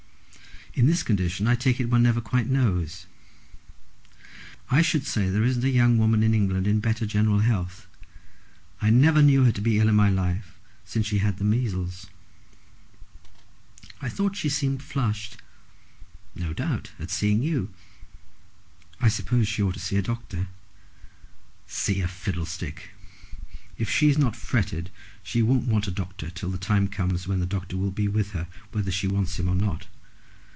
"In this condition I take it one never quite knows." "I should say there isn't a young woman in England in better general health. I never knew her to be ill in my life since she had the measles." "I thought she seemed flushed." "No doubt, at seeing you." "I suppose she ought to see the doctor." "See a fiddlestick. If she's not fretted she won't want a doctor till the time comes when the doctor will be with her whether she wants him or not.